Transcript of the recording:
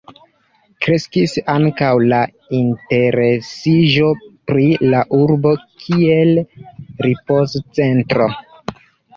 Kreskis ankaŭ la interesiĝo pri la urbo kiel ripoz-centro.